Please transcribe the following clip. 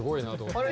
あれ？